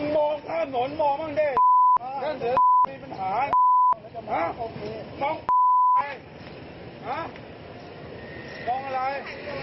ลองอะไร